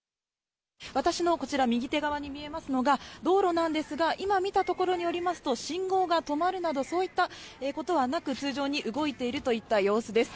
私のこちら右手側に見えますのが道路なんですが、今見たところによりますと、信号が止まるなど、そういったことはなく、通常に動いているといった様子です。